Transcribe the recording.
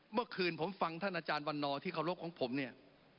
เมื่อคืนผมฟังท่านอาจารย์วันนอร์ที่เคารพของผมเนี่ย